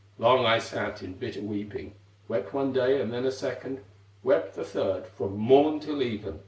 Long I sat in bitter weeping, Wept one day and then a second, Wept the third from morn till even.